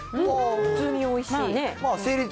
普通においしい？